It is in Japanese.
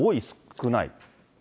少ない？